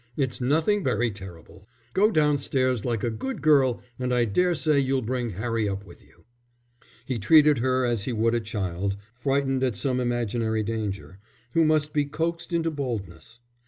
It's nothing very terrible. Go downstairs like a good girl, and I daresay you'll bring Harry up with you." He treated her as he would a child, frightened at some imaginary danger, who must be coaxed into boldness.